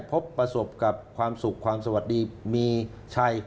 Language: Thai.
พบประสบกับความสุขความสวัสดีมีชัย